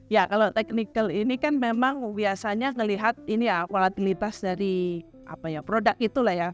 ya kalau technical ini kan memang biasanya ngelihat ini ya volatilitas dari produk itulah ya